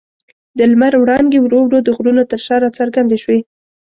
د لمر وړانګې ورو ورو د غرونو تر شا راڅرګندې شوې.